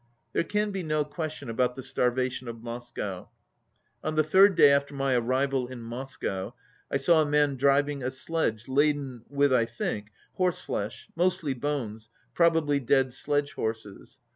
There can be no question about the starvation of Moscow. On the third day after my arrival in Moscow I saw a man driving a sledge laden with, I think, horseflesh, mostly bones, probably dead sledge horses.